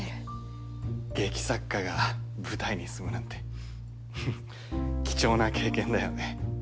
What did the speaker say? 劇作家が舞台に住むなんてフフッ貴重な経験だよね。